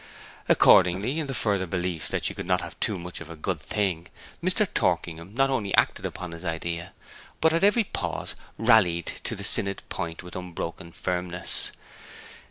Accordingly, in the further belief that you could not have too much of a good thing, Mr. Torkingham not only acted upon his idea, but at every pause rallied to the synod point with unbroken firmness.